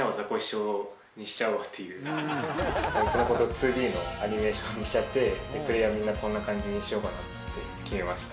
いっその事２Ｄのアニメーションにしちゃってプレーヤーみんなこんな感じにしようかなって決めました。